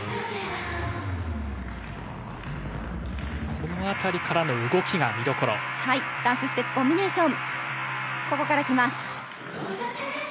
このあたりからの動きが見どダンスステップコンビネーション。